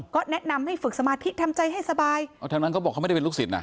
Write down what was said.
ก็แนะนำให้ฝึกสมาธิทำใจให้สบายอ๋อทางนั้นเขาบอกเขาไม่ได้เป็นลูกศิษย์